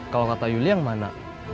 kalau kata yuli yang mana